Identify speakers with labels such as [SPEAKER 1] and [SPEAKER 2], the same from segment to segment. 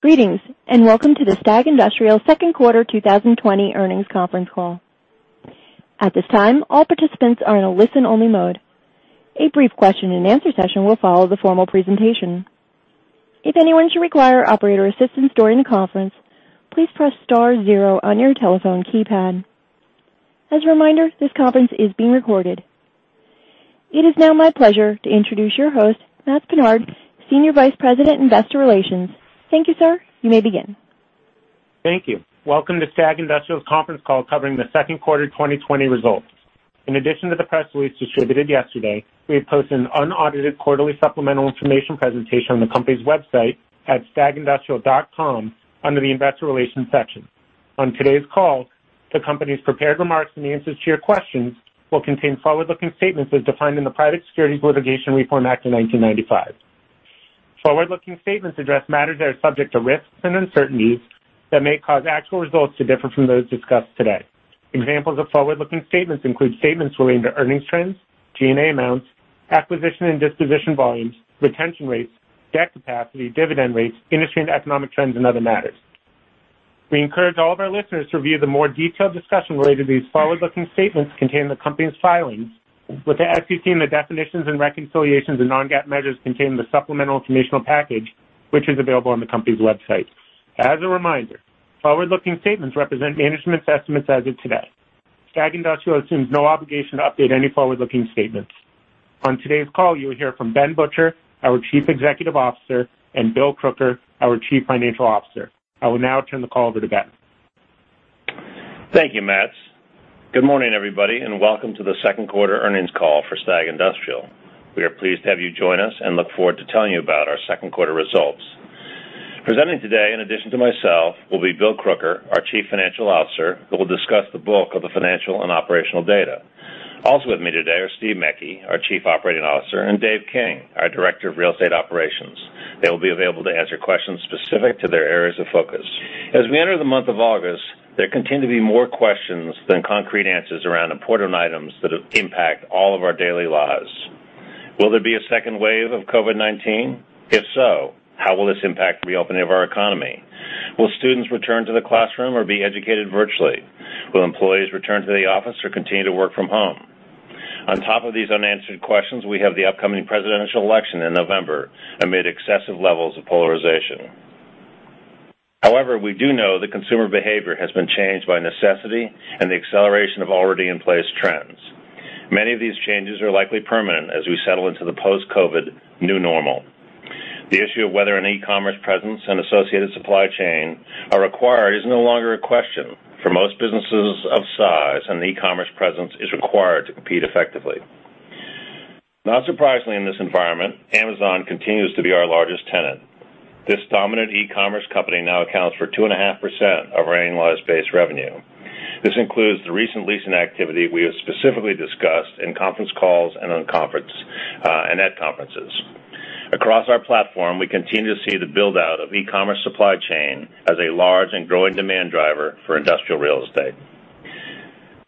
[SPEAKER 1] Greetings, and welcome to the STAG Industrial second quarter 2020 earnings conference call. At this time, all participants are in a listen-only mode. A brief question and answer session will follow the formal presentation. If anyone should require operator assistance during the conference, please press star zero on your telephone keypad. As a reminder, this conference is being recorded. It is now my pleasure to introduce your host, Matts Pinard, Senior Vice President, Investor Relations. Thank you, sir. You may begin.
[SPEAKER 2] Thank you. Welcome to STAG Industrial's conference call covering the second quarter 2020 results. In addition to the press release distributed yesterday, we have posted an unaudited quarterly supplemental information presentation on the company's website at stagindustrial.com under the Investor Relations section. On today's call, the company's prepared remarks and the answers to your questions will contain forward-looking statements as defined in the Private Securities Litigation Reform Act of 1995. Forward-looking statements address matters that are subject to risks and uncertainties that may cause actual results to differ from those discussed today. Examples of forward-looking statements include statements relating to earnings trends, G&A amounts, acquisition and disposition volumes, retention rates, debt capacity, dividend rates, industry and economic trends, and other matters. We encourage all of our listeners to review the more detailed discussion related to these forward-looking statements contained in the company's filings with the SEC and the definitions and reconciliations of non-GAAP measures contained in the supplemental informational package, which is available on the company's website. As a reminder, forward-looking statements represent management's estimates as of today. STAG Industrial assumes no obligation to update any forward-looking statements. On today's call, you'll hear from Ben Butcher, our Chief Executive Officer, and Bill Crooker, our Chief Financial Officer. I will now turn the call over to Ben.
[SPEAKER 3] Thank you, Matts. Good morning, everybody, and welcome to the second quarter earnings call for STAG Industrial. We are pleased to have you join us and look forward to telling you about our second quarter results. Presenting today, in addition to myself, will be Bill Crooker, our Chief Financial Officer, who will discuss the bulk of the financial and operational data. Also with me today are Steve Mecke, our Chief Operating Officer, and Dave King, our Director of Real Estate Operations. They will be available to answer questions specific to their areas of focus. As we enter the month of August, there continue to be more questions than concrete answers around important items that impact all of our daily lives. Will there be a second wave of COVID-19? If so, how will this impact the reopening of our economy? Will students return to the classroom or be educated virtually? Will employees return to the office or continue to work from home? On top of these unanswered questions, we have the upcoming presidential election in November amid excessive levels of polarization. However, we do know that consumer behavior has been changed by necessity and the acceleration of already in place trends. Many of these changes are likely permanent as we settle into the post-COVID new normal. The issue of whether an e-commerce presence and associated supply chain are required is no longer a question. For most businesses of size, an e-commerce presence is required to compete effectively. Not surprisingly in this environment, Amazon continues to be our largest tenant. This dominant e-commerce company now accounts for 2.5% of our annualized base revenue. This includes the recent leasing activity we have specifically discussed in conference calls and at conferences. Across our platform, we continue to see the build-out of e-commerce supply chain as a large and growing demand driver for Industrial Real Estate.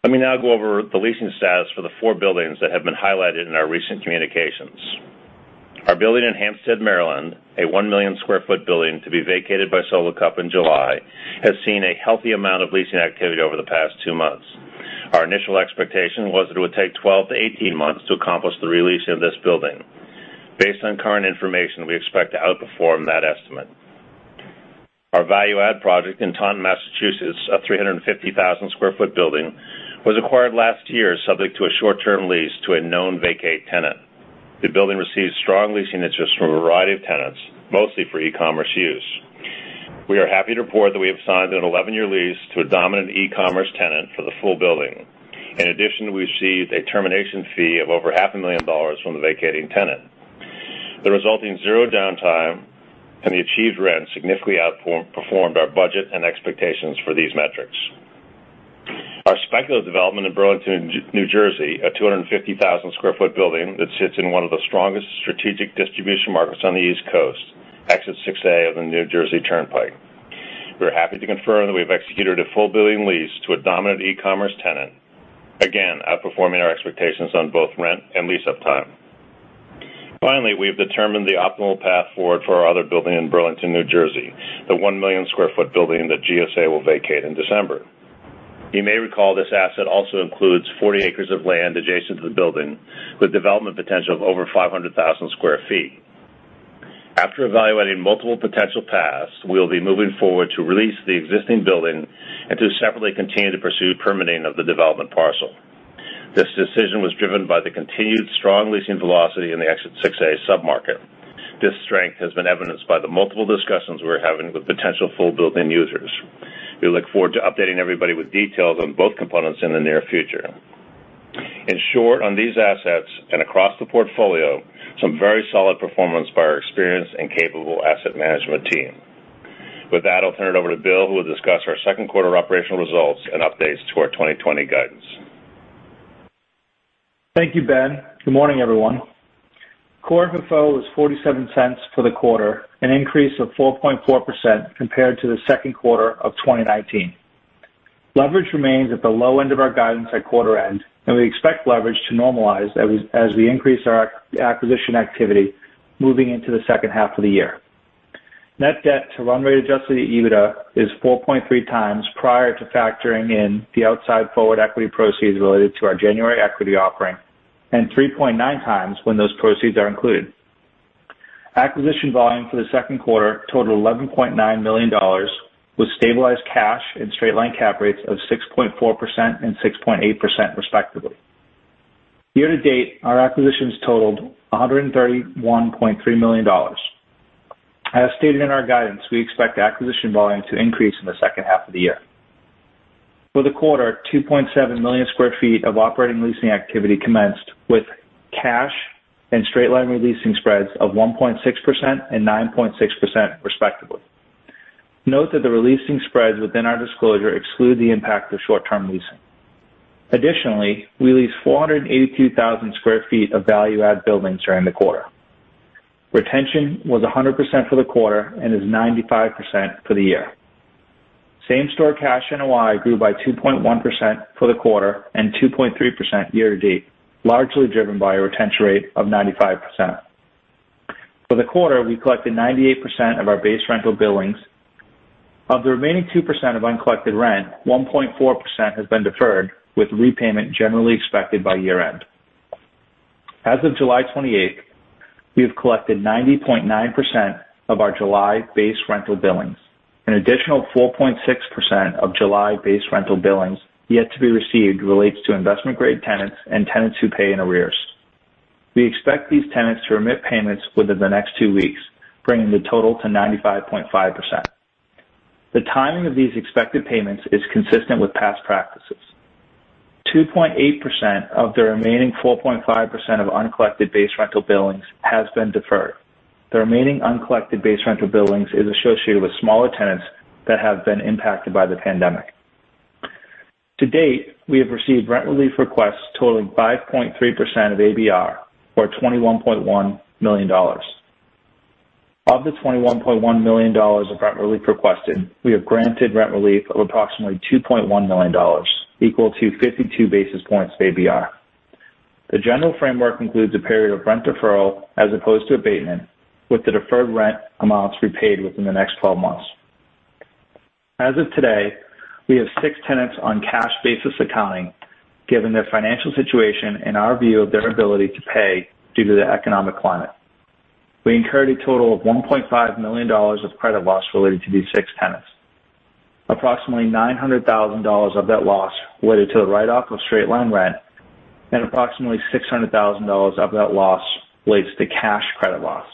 [SPEAKER 3] Let me now go over the leasing status for the four buildings that have been highlighted in our recent communications. Our building in Hampstead, Maryland, a 1 million square foot building to be vacated by Solo Cup in July, has seen a healthy amount of leasing activity over the past two months. Our initial expectation was that it would take 12-18 months to accomplish the re-leasing of this building. Based on current information, we expect to outperform that estimate. Our Value-Add Project in Taunton, Massachusetts, a 350,000 square foot building, was acquired last year subject to a short-term lease to a known vacate tenant. The building received strong leasing interest from a variety of tenants, mostly for e-commerce use. We are happy to report that we have signed an 11-year lease to a dominant e-commerce tenant for the full building. In addition, we received a termination fee of over $500,000 from the vacating tenant. The resulting zero downtime and the achieved rent significantly outperformed our budget and expectations for these metrics. Our speculative development in Burlington, New Jersey, a 250,000 sq ft building that sits in one of the strongest strategic distribution markets on the East Coast, Exit 6A of the New Jersey Turnpike. We're happy to confirm that we've executed a full building lease to a dominant e-commerce tenant, again, outperforming our expectations on both rent and lease-up time. Finally, we have determined the optimal path forward for our other building in Burlington, New Jersey, the 1 million sq ft building that GSA will vacate in December. You may recall this asset also includes 40 acres of land adjacent to the building with development potential of over 500,000 sq ft. After evaluating multiple potential paths, we'll be moving forward to re-lease the existing building and to separately continue to pursue permitting of the development parcel. This decision was driven by the continued strong leasing velocity in the Exit 6A submarket. This strength has been evidenced by the multiple discussions we're having with potential full building users. We look forward to updating everybody with details on both components in the near future. In short, on these assets and across the portfolio, some very solid performance by our experienced and capable asset management team. With that, I'll turn it over to Bill, who will discuss our second quarter operational results and updates to our 2020 guidance.
[SPEAKER 4] Thank you, Ben. Good morning, everyone. Core FFO was $0.47 for the quarter, an increase of 4.4% compared to the second quarter of 2019. Leverage remains at the low end of our guidance at quarter end, and we expect leverage to normalize as we increase our acquisition activity moving into the second half of the year. Net debt to run rate Adjusted EBITDA is 4.3x prior to factoring in the outside forward equity proceeds related to our January equity offering, and 3.9x when those proceeds are included. Acquisition volume for the second quarter totaled $11.9 million, with stabilized cash and straight line cap rates of 6.4% and 6.8% respectively. Year-to-date, our acquisitions totaled $131.3 million. As stated in our guidance, we expect acquisition volume to increase in the second half of the year. For the quarter, 2.7 million square feet of operating leasing activity commenced with cash and straight line releasing spreads of 1.6% and 9.6% respectively. Note that the releasing spreads within our disclosure exclude the impact of short-term leasing. Additionally, we leased 482,000 sq ft of value add buildings during the quarter. Retention was 100% for the quarter and is 95% for the Same Store Cash NOI grew by 2.1% for the quarter and 2.3% year-to-date, largely driven by a retention rate of 95%. For the quarter, we collected 98% of our base rental billings. Of the remaining 2% of uncollected rent, 1.4% has been deferred, with repayment generally expected by year-end. As of July 28th, we have collected 90.9% of our July base rental billings. An additional 4.6% of July base rental billings yet to be received relates to investment-grade tenants and tenants who pay in arrears. We expect these tenants to remit payments within the next two weeks, bringing the total to 95.5%. The timing of these expected payments is consistent with past practices. 2.8% of the remaining 4.5% of uncollected base rental billings has been deferred. The remaining uncollected base rental billings is associated with smaller tenants that have been impacted by the pandemic. To date, we have received rent relief requests totaling 5.3% of ABR, or $21.1 million. Of the $21.1 million of rent relief requested, we have granted rent relief of approximately $2.1 million, equal to 52 basis points of ABR. The general framework includes a period of rent deferral as opposed to abatement, with the deferred rent amounts repaid within the next 12 months. As of today, we have six tenants on cash basis accounting, given their financial situation and our view of their ability to pay due to the economic climate. We incurred a total of $1.5 million of credit loss related to these six tenants. Approximately $900,000 of that loss related to the write-off of straight line rent, and approximately $600,000 of that loss relates to cash credit loss.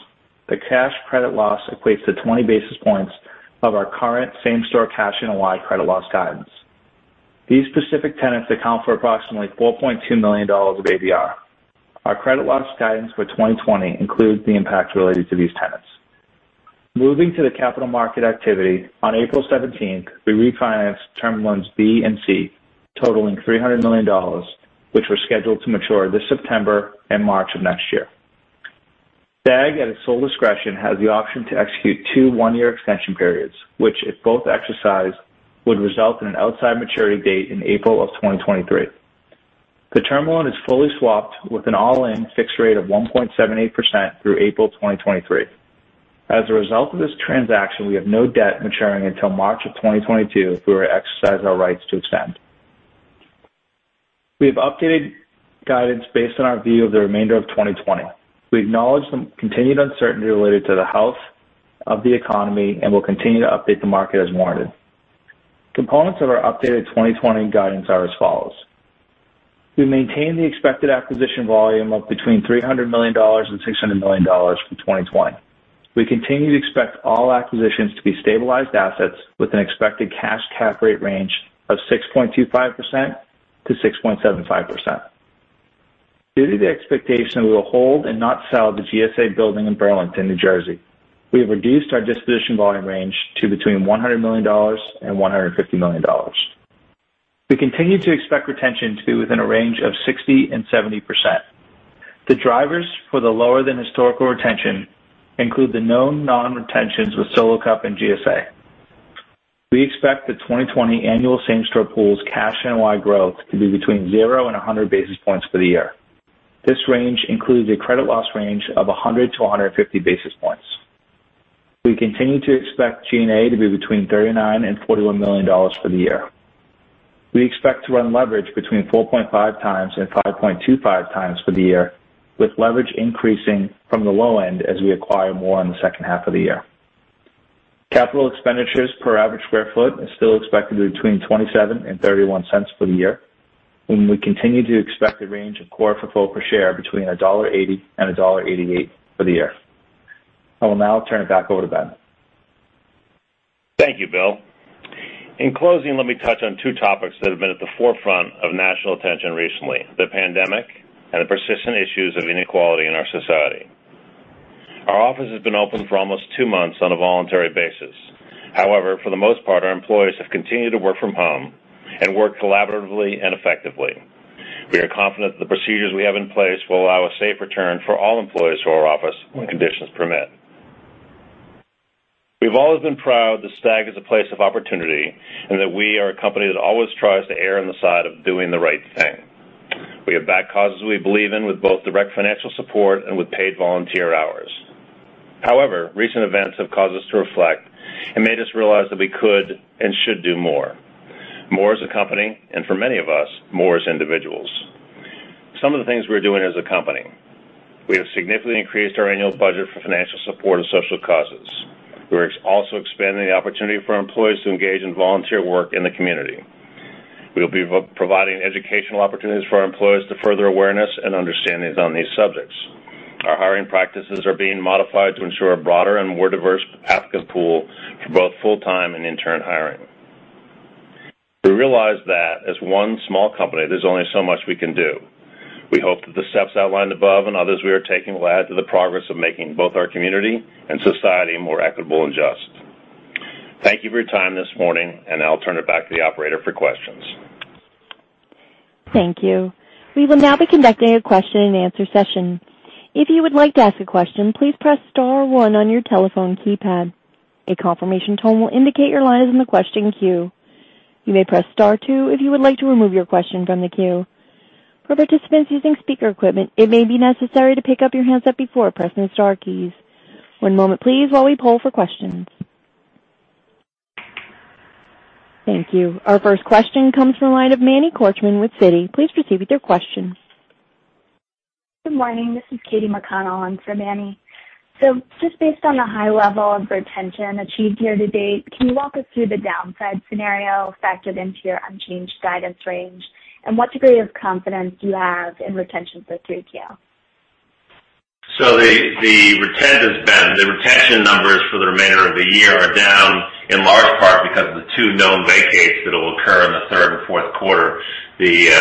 [SPEAKER 4] The cash credit loss equates to 20 basis points of our Same Store Cash NOI credit loss guidance. These specific tenants account for approximately $4.2 million of ABR. Our credit loss guidance for 2020 includes the impact related to these tenants. Moving to the capital market activity, on April 17th, we refinanced Term Loans B and C totaling $300 million, which were scheduled to mature this September and March of next year. STAG, at its sole discretion, has the option to execute two one-year extension periods, which, if both exercised, would result in an outside maturity date in April of 2023. The Term Loan is fully swapped with an all-in fixed rate of 1.78% through April 2023. As a result of this transaction, we have no debt maturing until March of 2022 if we were to exercise our rights to extend. We have updated guidance based on our view of the remainder of 2020. We acknowledge the continued uncertainty related to the health of the economy and will continue to update the market as warranted. Components of our updated 2020 guidance are as follows: We maintain the expected acquisition volume of between $300 million and $600 million for 2020. We continue to expect all acquisitions to be stabilized assets with an expected cash cap rate range of 6.25%-6.75%. Due to the expectation we will hold and not sell the GSA building in Burlington, New Jersey, we have reduced our disposition volume range to between $100 million and $150 million. We continue to expect retention to be within a range of 60% and 70%. The drivers for the lower than historical retention include the known non-retentions with Solo Cup and GSA. We expect the 2020 annual Same Store pools cash NOI growth to be between 0 and 100 basis points for the year. This range includes a credit loss range of 100 to 150 basis points. We continue to expect G&A to be between $39 million and $41 million for the year. We expect to run leverage between 4.5x and 5.25x for the year, with leverage increasing from the low end as we acquire more in the second half of the year. Capital expenditures per average square foot is still expected to be between $0.27 and $0.31 for the year, and we continue to expect a range of Core FFO per share between $1.80 and $1.88 for the year. I will now turn it back over to Ben.
[SPEAKER 3] Thank you, Bill. In closing, let me touch on two topics that have been at the forefront of national attention recently, the pandemic and the persistent issues of inequality in our society. Our office has been open for almost two months on a voluntary basis. However, for the most part, our employees have continued to work from home and work collaboratively and effectively. We are confident that the procedures we have in place will allow a safe return for all employees to our office when conditions permit. We've always been proud that STAG is a place of opportunity and that we are a company that always tries to err on the side of doing the right thing. We have backed causes we believe in with both direct financial support and with paid volunteer hours. However, recent events have caused us to reflect and made us realize that we could and should do more. More as a company, and for many of us, more as individuals. Some of the things we're doing as a company, we have significantly increased our annual budget for financial support of social causes. We're also expanding the opportunity for our employees to engage in volunteer work in the community. We'll be providing educational opportunities for our employees to further awareness and understandings on these subjects. Our hiring practices are being modified to ensure a broader and more diverse applicant pool for both full-time and intern hiring. We realize that as one small company, there's only so much we can do. We hope that the steps outlined above and others we are taking will add to the progress of making both our community and society more equitable and just. Thank you for your time this morning. I'll turn it back to the operator for questions.
[SPEAKER 1] Thank you. We will now be conducting a question and answer session. If you would like to ask a question, please press star one on your telephone keypad. A confirmation tone will indicate your line is in the question queue. You may press star two if you would like to remove your question from the queue. For participants using speaker equipment, it may be necessary to pick up your handset before pressing the star keys. One moment please, while we poll for questions. Thank you. Our first question comes from the line of Manny Korchman with Citi. Please proceed with your question.
[SPEAKER 5] Good morning. This is Katy McConnell in for Manny. Just based on the high level of retention achieved year-to-date, can you walk us through the downside scenario factored into your unchanged guidance range? What degree of confidence do you have in retention for 3Q?
[SPEAKER 3] The retention numbers for the remainder of the year are down in large part because of the two known vacates that'll occur in the third and fourth quarter. The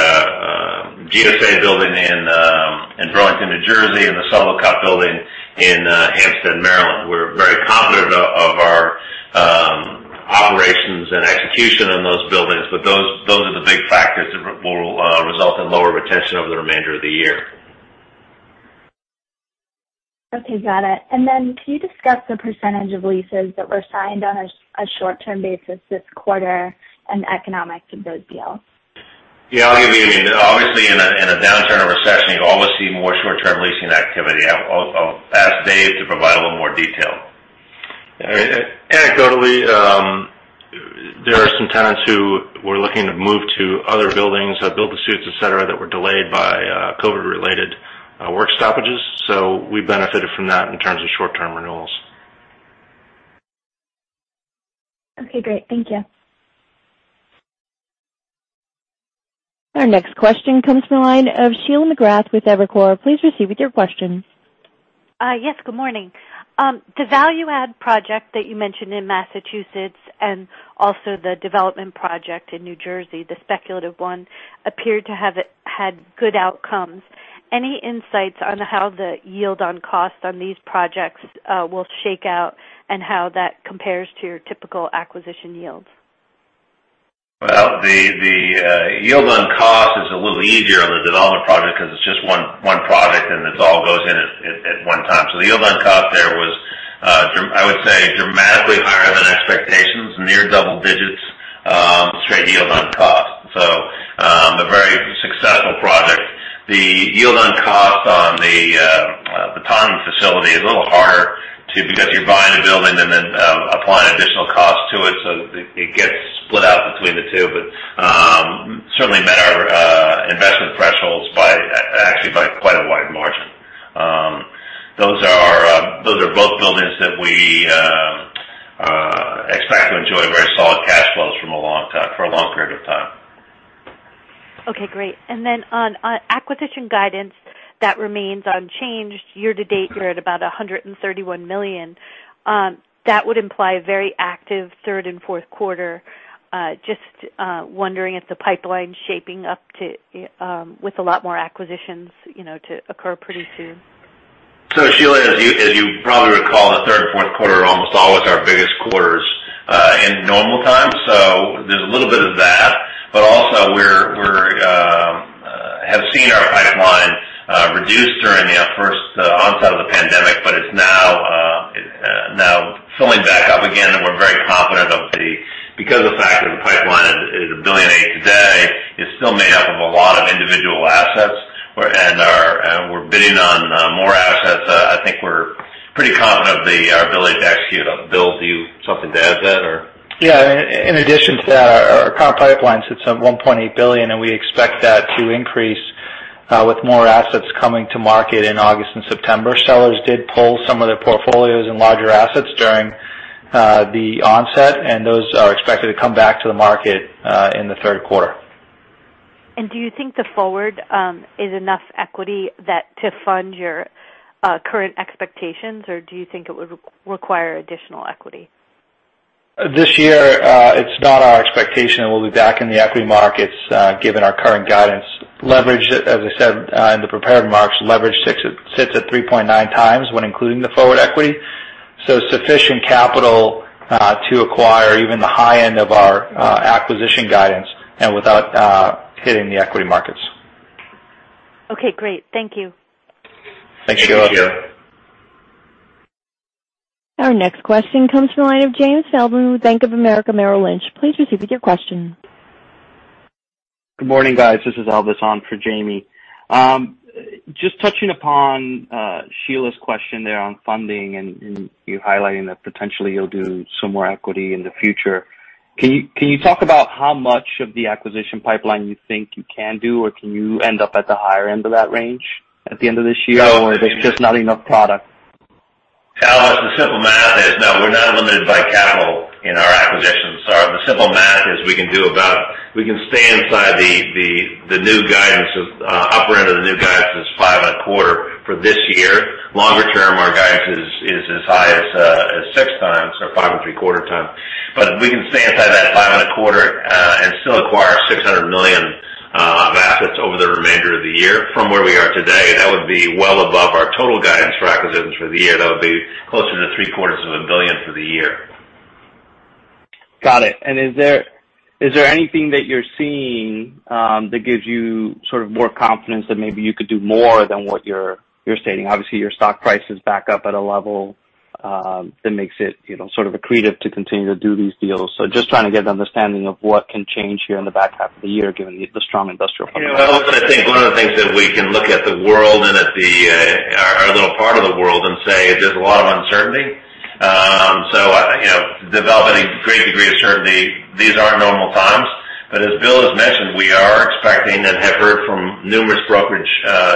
[SPEAKER 3] GSA building in Burlington, New Jersey, and the Solo Cup building in Hampstead, Maryland. We're very confident of our operations and execution in those buildings. Those are the big factors that will result in lower retention over the remainder of the year.
[SPEAKER 5] Okay, got it. Then can you discuss the percentage of leases that were signed on a short-term basis this quarter and the economics of those deals?
[SPEAKER 3] Yeah. Obviously, in a downturn or recession, you always see more short-term leasing activity. I'll ask Dave to provide a little more detail.
[SPEAKER 6] Anecdotally, there are some tenants who were looking to move to other buildings, build to suits, et cetera, that were delayed by COVID related work stoppages. We benefited from that in terms of short-term renewals.
[SPEAKER 5] Okay, great. Thank you.
[SPEAKER 1] Our next question comes from the line of Sheila McGrath with Evercore. Please proceed with your question.
[SPEAKER 7] Yes, good morning. The Value-Add Project that you mentioned in Massachusetts and also the Development Project in New Jersey, the speculative one, appeared to have had good outcomes. Any insights on how the yield on cost on these projects will shake out, and how that compares to your typical acquisition yields?
[SPEAKER 3] The yield on cost is a little easier on the Development Project because it's just one product and it all goes in at one time. The yield on cost there was, I would say, dramatically higher than expectations, near double-digits straight yield on cost. A very successful project. The yield on cost on the Taunton facility is a little harder, too, because you're buying a building and then applying additional cost to it, so it gets split out between the two. Certainly met our investment thresholds, actually by quite a wide margin. Those are both buildings that we expect to enjoy very solid cash flows for a long period of time.
[SPEAKER 7] Okay, great. On acquisition guidance that remains unchanged year-to-date, you're at about $131 million. That would imply a very active third and fourth quarter. Just wondering if the pipeline's shaping up with a lot more acquisitions to occur pretty soon.
[SPEAKER 3] Sheila, as you probably recall, the third and fourth quarter are almost always our biggest quarters in normal times. There's a little bit of that, but also we have seen our pipeline reduce during the first onset of the pandemic, but it's now filling back up again, and we're very confident because of the fact that the pipeline is $1.8 billion today, it's still made up of a lot of individual assets. We're bidding on more assets. I think we're pretty confident of the ability to execute on. Bill, do you have something to add to that?
[SPEAKER 4] Yeah. In addition to that, our current pipeline sits at $1.8 billion, and we expect that to increase with more assets coming to market in August and September. Sellers did pull some of their portfolios and larger assets during the onset, and those are expected to come back to the market in the third quarter.
[SPEAKER 7] Do you think the forward is enough equity to fund your current expectations, or do you think it would require additional equity?
[SPEAKER 4] This year, it's not our expectation that we'll be back in the equity markets given our current guidance leverage. As I said in the prepared remarks, leverage sits at 3.9x when including the forward equity. Sufficient capital to acquire even the high end of our acquisition guidance and without hitting the equity markets.
[SPEAKER 7] Okay, great. Thank you.
[SPEAKER 3] Thanks, Sheila.
[SPEAKER 1] Our next question comes from the line of James Feldman with Bank of America Merrill Lynch. Please proceed with your question.
[SPEAKER 8] Good morning, guys. This is Elvis on for Jamie. Just touching upon Sheila's question there on funding and you highlighting that potentially you'll do some more equity in the future. Can you talk about how much of the acquisition pipeline you think you can do, or can you end up at the higher end of that range at the end of this year? There's just not enough product?
[SPEAKER 3] Elvis, the simple math is, no, we're not limited by capital in our acquisitions. The simple math is we can stay inside the upper end of the new guidance is 5.25x for this year. Longer-term, our guidance is as high as 6x or 5.75x. We can stay inside that 5.25x, and still acquire $600 million of assets over the remainder of the year. From where we are today, that would be well above our total guidance for acquisitions for the year. That would be closer to $750 million for the year.
[SPEAKER 8] Got it. Is there anything that you're seeing, that gives you sort of more confidence that maybe you could do more than what you're stating? Obviously, your stock price is back up at a level that makes it accretive to continue to do these deals. Just trying to get an understanding of what can change here in the back half of the year, given the strong industrial fundamentals.
[SPEAKER 3] Elvis, I think one of the things that we can look at the world and at our little part of the world and say there's a lot of uncertainty. To develop any great degree of certainty, these aren't normal times. As Bill has mentioned, we are expecting and have heard from numerous brokerage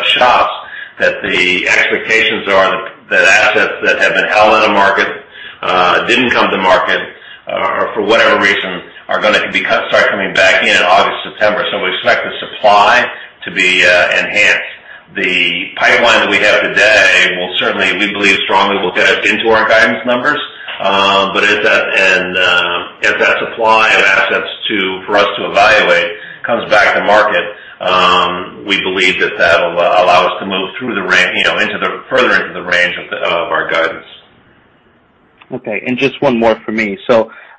[SPEAKER 3] shops that the expectations are that assets that have been held on the market, didn't come to market, or for whatever reason, are going to start coming back in August, September. We expect the supply to be enhanced. The pipeline that we have today will certainly, we believe strongly, will get us into our guidance numbers. As that supply of assets for us to evaluate comes back to market, we believe that that'll allow us to move further into the range of our guidance.
[SPEAKER 8] Okay, just one more from me.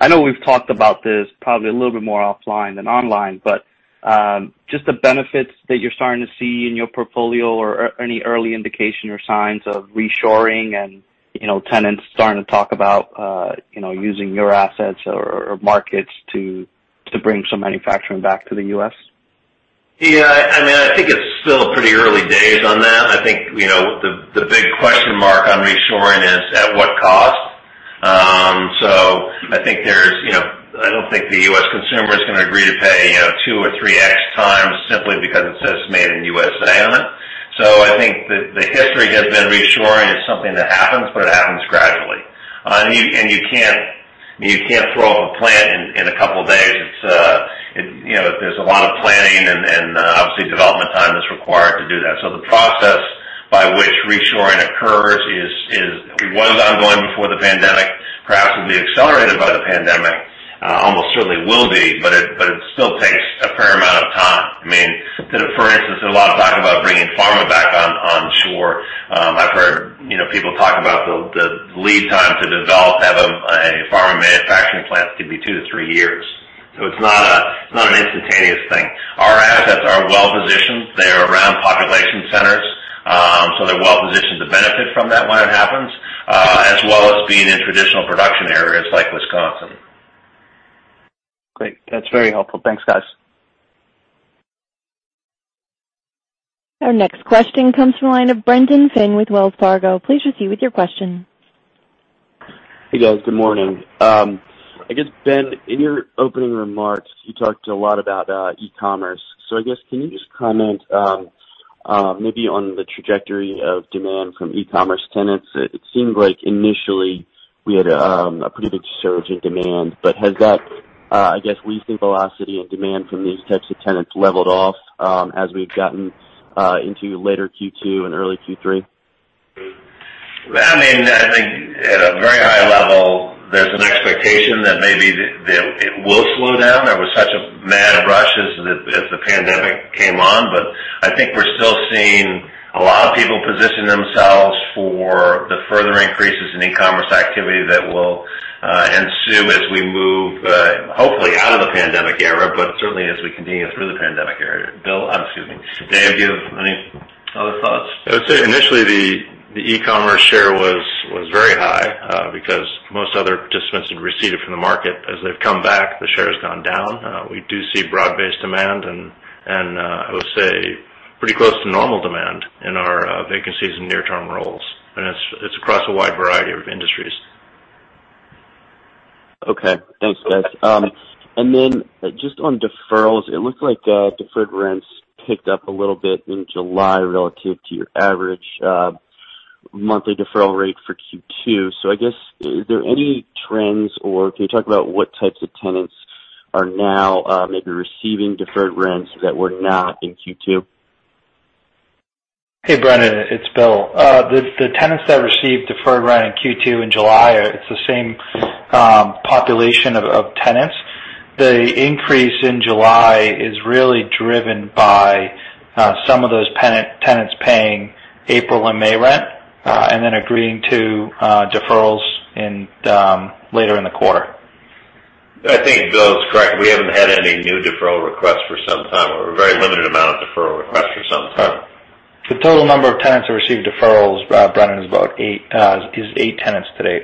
[SPEAKER 8] I know we've talked about this probably a little bit more offline than online, but just the benefits that you're starting to see in your portfolio or any early indication or signs of reshoring and tenants starting to talk about using your assets or markets to bring some manufacturing back to the U.S.?
[SPEAKER 3] Yeah, I think it's still pretty early days on that. I don't think the U.S. consumer is going to agree to pay 2x or 3x simply because it says made in U.S. on it. I think that the history has been reshoring is something that happens, but it happens gradually. You can't throw up a plant in a couple of days. There's a lot of planning and obviously development time that's required to do that. The process by which reshoring occurs was ongoing before the pandemic, perhaps will be accelerated by the pandemic, almost certainly will be, but it still takes a fair amount of time. For instance, there's a lot of talk about bringing pharma back on shore. I've heard people talk about the lead time to develop, have a pharma manufacturing plant could be two, three years. It's not an instantaneous thing. Our assets are well-positioned. They're around population centers. They're well-positioned to benefit from that when it happens, as well as being in traditional production areas like Wisconsin.
[SPEAKER 8] Great. That's very helpful. Thanks, guys.
[SPEAKER 1] Our next question comes from the line of Brendan Finn with Wells Fargo. Please proceed with your question.
[SPEAKER 9] Hey, guys. Good morning. I guess, Ben, in your opening remarks, you talked a lot about e-commerce. I guess, can you just comment maybe on the trajectory of demand from e-commerce tenants? It seemed like initially we had a pretty big surge in demand. Has that, I guess, recent velocity and demand from these types of tenants leveled off as we've gotten into later Q2 and early Q3?
[SPEAKER 3] I think at a very high-level, there's an expectation that maybe it will slow down. There was such a mad rush as the pandemic came on, I think we're still seeing a lot of people position themselves for the further increases in e-commerce activity that will ensue as we move, hopefully, out of the pandemic era, but certainly as we continue through the pandemic era. Dave, do you have any other thoughts?
[SPEAKER 6] I would say initially the e-commerce share was very high because most other participants had receded from the market. As they've come back, the share has gone down. We do see broad-based demand and I would say pretty close to normal demand in our vacancies and near-term rolls, and it's across a wide variety of industries.
[SPEAKER 9] Okay, thanks, guys. Just on deferrals, it looked like deferred rents picked up a little bit in July relative to your average monthly deferral rate for Q2. I guess, are there any trends, or can you talk about what types of tenants are now maybe receiving deferred rents that were not in Q2?
[SPEAKER 4] Hey, Brendan, it's Bill. The tenants that received deferred rent in Q2 in July, it's the same population of tenants. The increase in July is really driven by some of those tenants paying April and May rent, and then agreeing to deferrals later in the quarter.
[SPEAKER 3] I think Bill's correct. We haven't had any new deferral requests for some time, or a very limited amount of deferral requests for some time. The total number of tenants who received deferrals, Brendan, is eight tenants to date.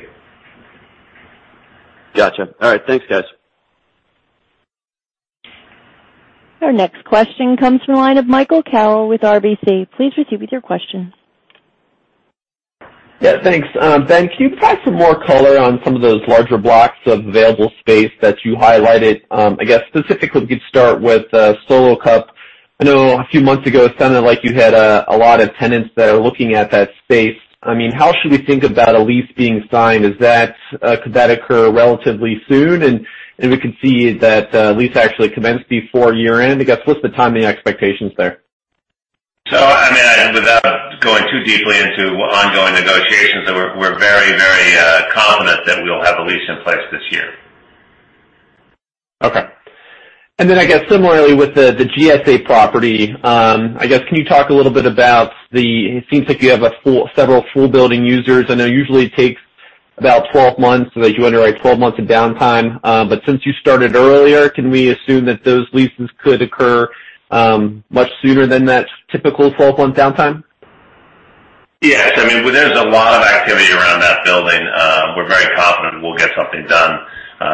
[SPEAKER 9] Got you. All right, thanks, guys.
[SPEAKER 1] Our next question comes from the line of Michael Carroll with RBC. Please proceed with your question.
[SPEAKER 10] Yeah, thanks. Ben, can you provide some more color on some of those larger blocks of available space that you highlighted? I guess, specifically, we could start with Solo Cup. I know a few months ago it sounded like you had a lot of tenants that are looking at that space. How should we think about a lease being signed? Could that occur relatively soon, and we could see that lease actually commence before year-end? I guess, what's the timing expectations there?
[SPEAKER 3] Without going too deeply into ongoing negotiations, we're very, very confident that we'll have a lease in place this year.
[SPEAKER 10] Okay. I guess similarly with the GSA property, I guess can you talk a little bit about the it seems like you have several full-building users. I know usually it takes about 12 months, so that you underwrite 12 months of downtime. Since you started earlier, can we assume that those leases could occur much sooner than that typical 12-month downtime?
[SPEAKER 3] Yes. There's a lot of activity around that building. We're very confident we'll get something done in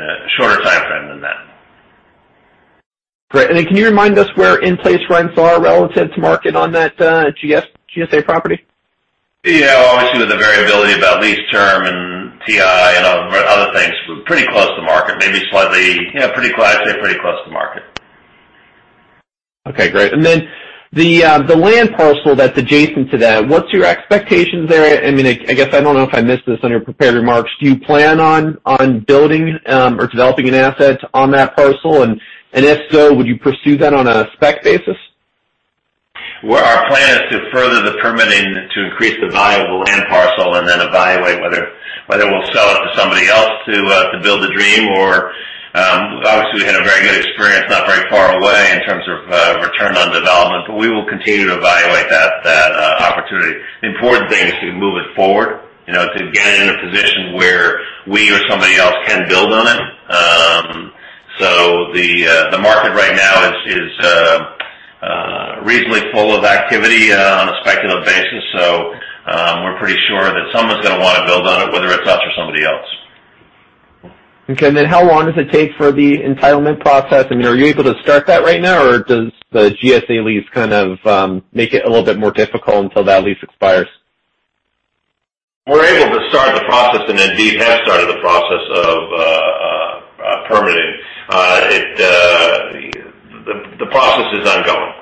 [SPEAKER 3] a shorter timeframe than that.
[SPEAKER 10] Great. Then can you remind us where in-place rents are relative to market on that GSA property?
[SPEAKER 3] Yeah. Obviously, with the variability of that lease term and TI and other things, we're pretty close to market. Maybe slightly I'd say pretty close to market.
[SPEAKER 10] Okay, great. The land parcel that's adjacent to that, what's your expectations there? I guess I don't know if I missed this on your prepared remarks. Do you plan on building or developing an asset on that parcel? If so, would you pursue that on a spec basis?
[SPEAKER 3] Our plan is to further the permitting to increase the value of the land parcel, and then evaluate whether we'll sell it to somebody else to build the dream or Obviously, we had a very good experience not very far away in terms of return on development, but we will continue to evaluate that opportunity. The important thing is to move it forward. To get it in a position where we or somebody else can build on it. The market right now is reasonably full of activity on a speculative basis, so we're pretty sure that someone's going to want to build on it, whether it's us or somebody else.
[SPEAKER 10] Okay. Then how long does it take for the entitlement process? Are you able to start that right now, or does the GSA lease kind of make it a little bit more difficult until that lease expires?
[SPEAKER 3] We're able to start the process and indeed have started the process of permitting. The process is ongoing.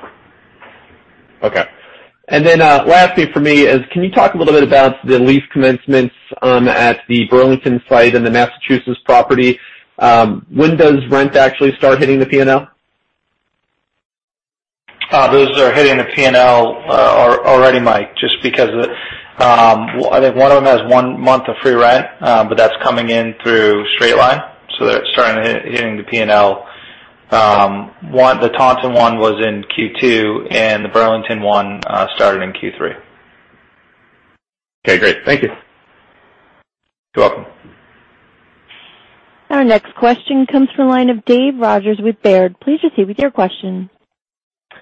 [SPEAKER 10] Okay. Last thing for me is, can you talk a little bit about the lease commencements at the Burlington site and the Massachusetts property? When does rent actually start hitting the P&L?
[SPEAKER 4] Those are hitting the P&L already, Mike. Just because of I think one of them has one month of free rent, but that's coming in through straight line, so they're starting to hit the P&L. The Taunton one was in Q2, and the Burlington one started in Q3.
[SPEAKER 10] Okay, great. Thank you.
[SPEAKER 4] You're welcome.
[SPEAKER 1] Our next question comes from the line of Dave Rodgers with Baird. Please proceed with your question.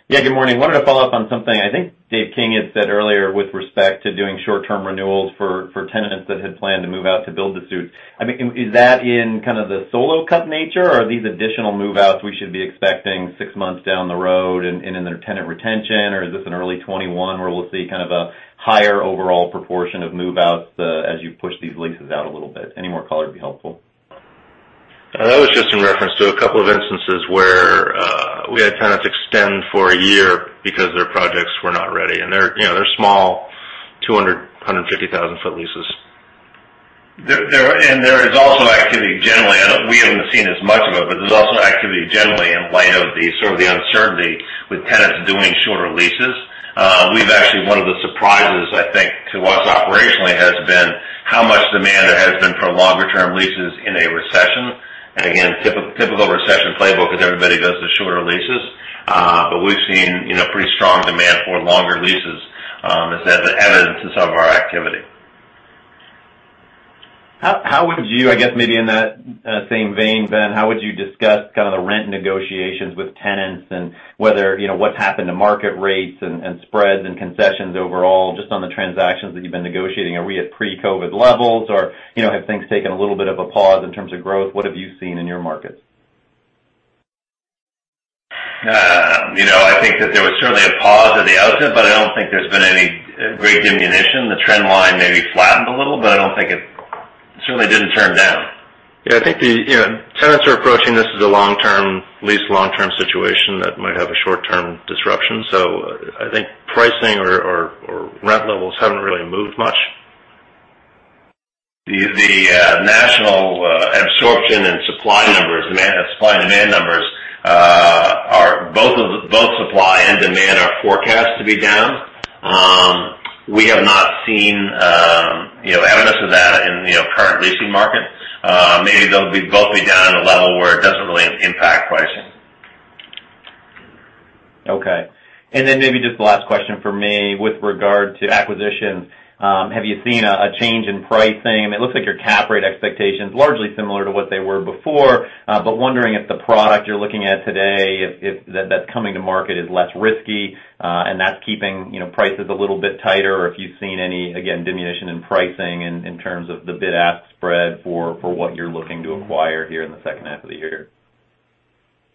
[SPEAKER 11] Yeah, good morning. I wanted to follow up on something I think Dave King had said earlier with respect to doing short-term renewals for tenants that had planned to move out to build to suit. Is that in kind of the Solo Cup nature, or are these additional move-outs we should be expecting six months down the road and in their tenant retention? Is this an early 2021 where we'll see kind of a higher overall proportion of move-outs as you push these leases out a little bit? Any more color would be helpful.
[SPEAKER 6] That was just in reference to a couple of instances where we had tenants extend for a year because their projects were not ready, and they're small, 250,000 for leases.
[SPEAKER 3] There is also activity generally. We haven't seen as much of it, but there's also activity generally in light of the sort of the uncertainty with tenants doing shorter leases. We've actually, one of the surprises, I think, to us operationally has been how much demand there has been for longer-term leases in a recession. Again, typical recession playbook is everybody does the shorter leases. We've seen pretty strong demand for longer leases as evidence in some of our activity.
[SPEAKER 11] How would you, I guess maybe in that same vein, Ben, how would you discuss kind of the rent negotiations with tenants and whether what's happened to market rates and spreads and concessions overall, just on the transactions that you've been negotiating? Are we at pre-COVID levels, or have things taken a little bit of a pause in terms of growth? What have you seen in your markets?
[SPEAKER 3] I think that there was certainly a pause at the outset, but I don't think there's been any great diminution. The trend line maybe flattened a little, but I don't think it certainly didn't turn down.
[SPEAKER 6] Yeah, I think the tenants are approaching this as a lease long-term situation that might have a short-term disruption. I think pricing or rent levels haven't really moved much.
[SPEAKER 3] The national absorption and supply numbers, supply and demand numbers, both supply and demand are forecast to be down. We have not seen evidence of that in the current leasing market, maybe they'll be voting at a lot of work doesn't really impact question
[SPEAKER 11] Maybe just the last question from me with regard to acquisitions. Have you seen a change in pricing? It looks like your cap rate expectations are largely similar to what they were before, but wondering if the product you're looking at today, that's coming to market is less risky, and that's keeping prices a little bit tighter, or if you've seen any, again, diminution in pricing in terms of the bid-ask spread for what you're looking to acquire here in the second half of the year.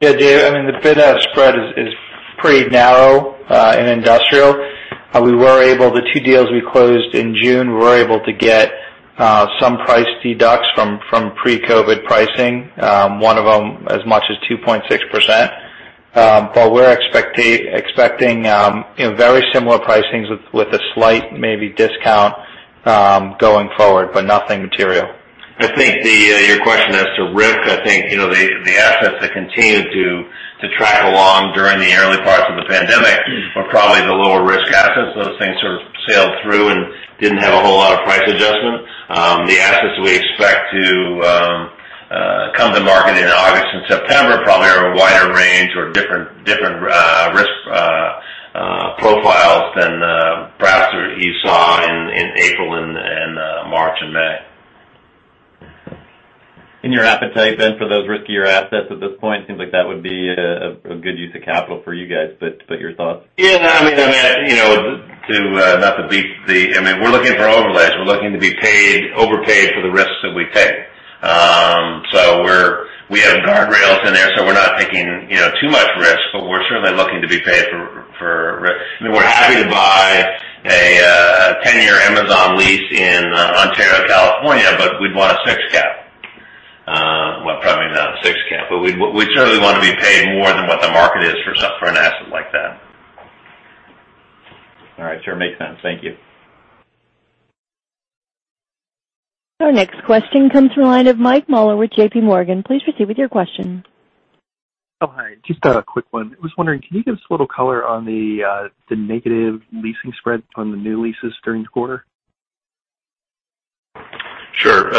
[SPEAKER 4] Yeah, Dave, the bid-ask spread is pretty narrow in Industrial. The two deals we closed in June, we were able to get some price deducts from pre-COVID pricing. One of them as much as 2.6%. We're expecting very similar pricings with a slight maybe discount, going forward, but nothing material.
[SPEAKER 3] I think your question as to risk, I think, the assets that continued to track along during the early parts of the pandemic were probably the lower risk assets. Those things sort of sailed through and didn't have a whole lot of price adjustment. The assets we expect to come to market in August and September probably are a wider range or different risk profiles than perhaps you saw in April and March and May.
[SPEAKER 11] Your appetite, Ben, for those riskier assets at this point, seems like that would be a good use of capital for you guys, but your thoughts?
[SPEAKER 3] Yeah. We're looking for overlays. We're looking to be overpaid for the risks that we take. We have guardrails in there, so we're not taking too much risk, but we're certainly looking to be paid for risk. We're happy to buy a 10-year Amazon lease in Ontario, California, but we'd want a six cap. Well, probably not a six cap, but we'd certainly want to be paid more than what the market is for an asset like that.
[SPEAKER 11] All right, sure. Makes sense. Thank you.
[SPEAKER 1] Our next question comes from the line of Mike Mueller with JPMorgan. Please proceed with your question.
[SPEAKER 12] Oh, hi. Just a quick one. I was wondering, can you give us a little color on the negative leasing spread on the new leases during the quarter?
[SPEAKER 3] Sure.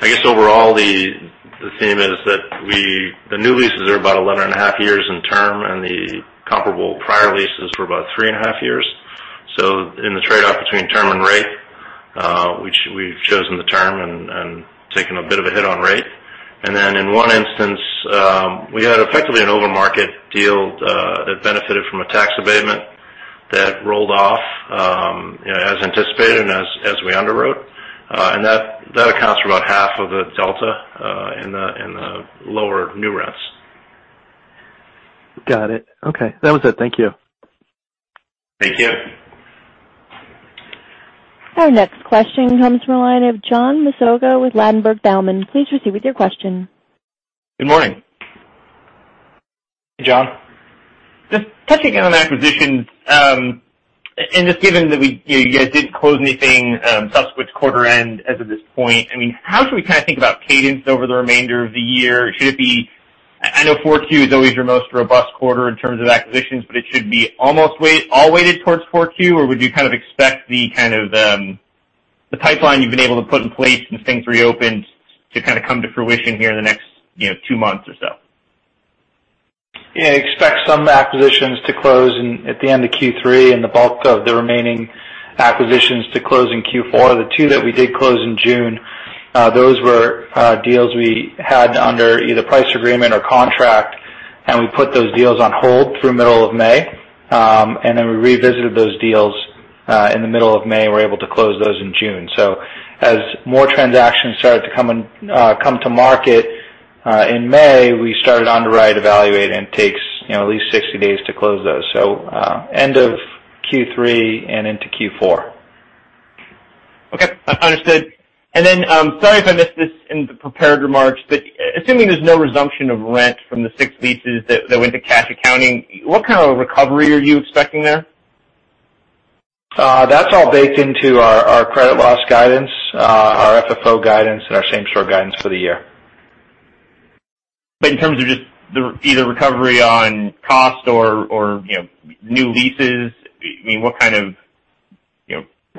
[SPEAKER 3] I guess overall, the theme is that the new leases are about 11.5 years in term, and the comparable prior leases were about 3.5 years. In the trade-off between term and rate, we've chosen the term and taken a bit of a hit on rate. In one instance, we had effectively an over-market deal that benefited from a tax abatement that rolled off, as anticipated and as we underwrote. That accounts for about 1/2 of the delta in the lower new rents.
[SPEAKER 12] Got it. Okay. That was it.
[SPEAKER 3] Thank you.
[SPEAKER 1] Our next question comes from the line of John Massocca with Ladenburg Thalmann. Please proceed with your question.
[SPEAKER 13] Good morning.
[SPEAKER 3] Hey, John.
[SPEAKER 13] Just touching on acquisitions, just given that you guys didn't close anything subsequent to quarter end as of this point. How should we kind of think about cadence over the remainder of the year? I know Q4 is always your most robust quarter in terms of acquisitions, it should be all weighted towards Q4, would you kind of expect the kind of pipeline you've been able to put in place as things reopened to kind of come to fruition here in the next two months or so?
[SPEAKER 4] Yeah. Expect some acquisitions to close at the end of Q3 and the bulk of the remaining acquisitions to close in Q4. The two that we did close in June, those were deals we had under either price agreement or contract, and we put those deals on hold through middle of May. We revisited those deals in the middle of May, and were able to close those in June. As more transactions started to come to market in May, we started underwrite, evaluate, and it takes at least 60 days to close those. End of Q3 and into Q4.
[SPEAKER 13] Okay. Understood. Sorry if I missed this in the prepared remarks, but assuming there's no resumption of rent from the six leases that went to cash accounting, what kind of recovery are you expecting there?
[SPEAKER 4] That's all baked into our credit loss guidance, our FFO guidance and our Same Store guidance for the year.
[SPEAKER 13] In terms of just either recovery on cost or new leases, what kind of?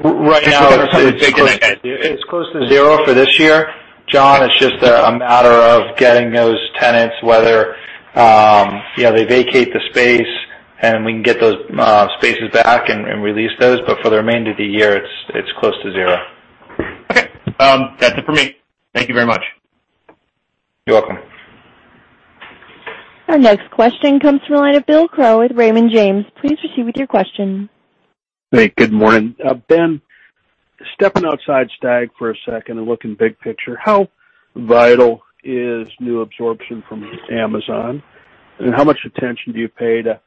[SPEAKER 4] It's close to zero for this year, John. It's just a matter of getting those tenants, whether they vacate the space, and we can get those spaces back and re-lease those, but for the remainder of the year, it's close to zero.
[SPEAKER 13] Okay. That's it for me. Thank you very much.
[SPEAKER 4] You're welcome.
[SPEAKER 1] Our next question comes from the line of Bill Crow with Raymond James. Please proceed with your question.
[SPEAKER 14] Hey, good morning. Ben, stepping outside STAG for a second and looking big picture, how vital is new absorption from Amazon, and how much attention do you pay to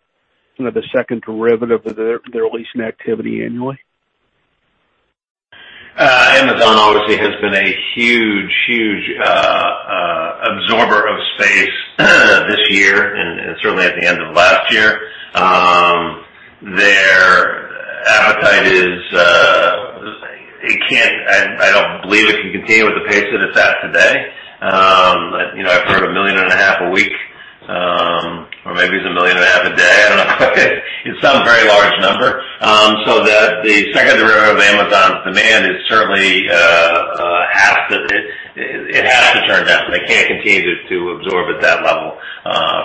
[SPEAKER 14] the second derivative of their leasing activity annually?
[SPEAKER 3] Amazon obviously has been a huge absorber of space this year and certainly at the end of last year. Their appetite is I don't believe it can continue with the pace that it's at today. I've heard 1.5 million a week, or maybe it's 1.5 million a day. I don't know. It's some very large number. The second derivative of Amazon's demand is certainly not to absorb at that level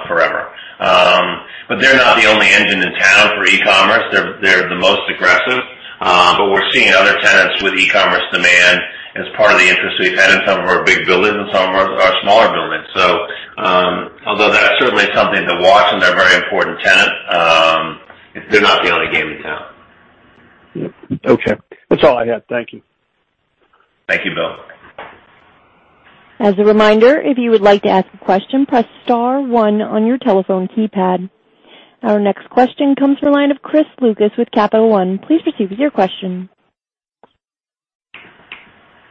[SPEAKER 3] forever. They're not the only engine in town for e-commerce. They're the most aggressive, we're seeing other tenants with e-commerce demand as part of the interest we've had in some of our big buildings and some of our smaller buildings. Although that's certainly something to watch and they're a very important tenant, they're not the only game in town.
[SPEAKER 14] Yep. Okay. That's all I had. Thank you.
[SPEAKER 3] Thank you, Bill.
[SPEAKER 1] As a reminder, if you would like to ask a question, press star one on your telephone keypad. Our next question comes from the line of Chris Lucas with Capital One. Please proceed with your question.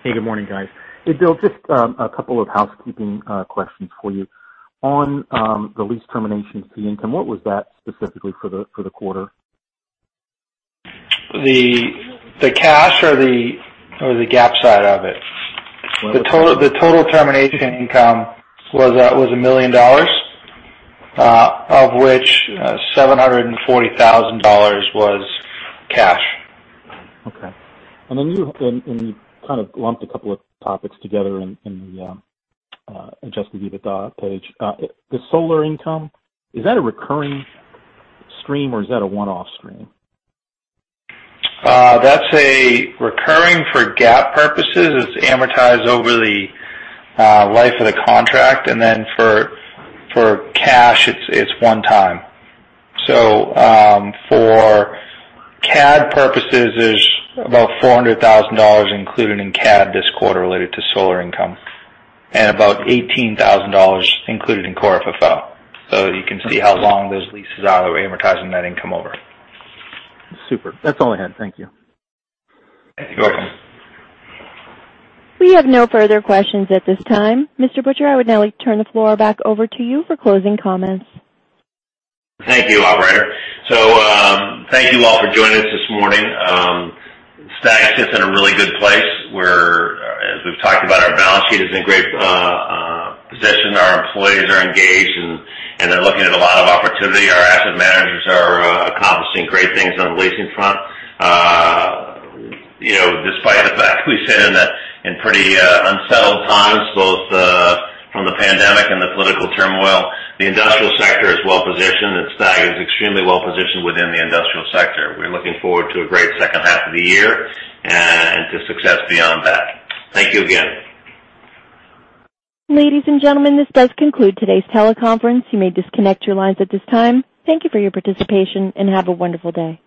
[SPEAKER 15] Hey, good morning, guys. Hey, Bill, just a couple of housekeeping questions for you. On the lease terminations fee income, what was that specifically for the quarter?
[SPEAKER 4] The cash or the GAAP side of it? The total termination income was $1 million, of which $740,000 was cash.
[SPEAKER 15] Okay. You kind of lumped a couple of topics together in the Adjusted EBITDA page. The solar income, is that a recurring stream or is that a one-off stream?
[SPEAKER 4] That's a recurring for GAAP purposes. It's amortized over the life of the contract, and then for cash, it's one time. For CAD purposes, there's about $400,000 included in CAD this quarter related to solar income and about $18,000 included in Core FFO. You can see how long those leases are that we're amortizing that income over.
[SPEAKER 15] Super. That's all I had. Thank you.
[SPEAKER 4] You're welcome.
[SPEAKER 1] We have no further questions at this time. Mr. Butcher, I would now like to turn the floor back over to you for closing comments.
[SPEAKER 3] Thank you, operator. Thank you all for joining us this morning. STAG sits in a really good place, where as we've talked about, our balance sheet is in great position. Our employees are engaged and they're looking at a lot of opportunity. Our Asset Managers are accomplishing great things on the leasing front. Despite the fact we sit in pretty unsettled times, both from the pandemic and the political turmoil, the Industrial sector is well-positioned and STAG is extremely well-positioned within the Industrial sector. We're looking forward to a great second half of the year and to success beyond that. Thank you again.
[SPEAKER 1] Ladies and gentlemen, this does conclude today's teleconference. You may disconnect your lines at this time. Thank you for your participation, and have a wonderful day.